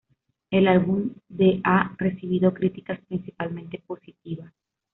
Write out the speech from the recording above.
El álbum de ha recibido críticas principalmente positiva.